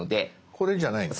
これじゃないんだ。